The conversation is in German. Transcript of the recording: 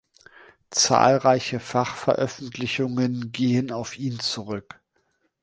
Zahlreiche Fachveröffentlichungen gehen auf ihn zurück.